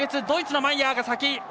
ドイツ、マイヤーが先！